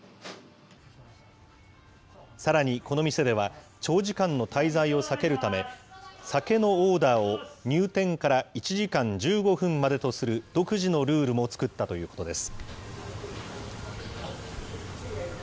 さらにこの店では、長時間の滞在を避けるため、酒のオーダーを入店から１時間１５分までとする独自のルールも作ったということです。